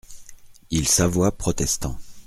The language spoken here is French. Il s'avoua protestant.